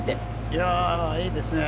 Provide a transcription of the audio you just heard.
いやぁいいですね。